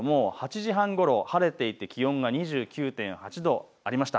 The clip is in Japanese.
８時半ごろ晴れていて気温が２９．８度ありました。